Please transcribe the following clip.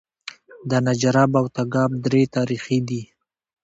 د نجراب او تګاب درې تاریخي دي